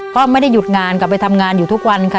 ก็ไม่ได้หยุดงานกลับไปทำงานอยู่ทุกวันค่ะ